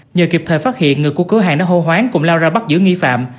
nhờ kịp thời phát hiện người của cửa hàng đã hô hoán cùng lao ra bắt giữa nghi phạm